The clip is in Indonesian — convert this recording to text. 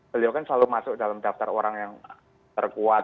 beliau kan selalu masuk dalam daftar orang yang terkuat